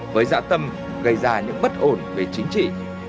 với giã tâm gây ra những bất ổn về chính trị